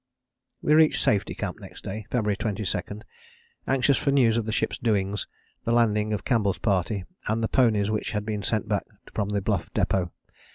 We reached Safety Camp next day (February 22) anxious for news of the ship's doings, the landing of Campbell's party, and of the ponies which had been sent back from the Bluff Depôt.